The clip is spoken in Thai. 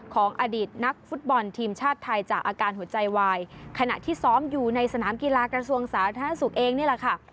ของอดีตนักฟุตบอลทีมชาติไทยจากอาการหัวใจวายขณะที่ซ้อมอยู่ในสนามกีฬากระทรวงสาธารณสุขเองนี่แหละค่ะ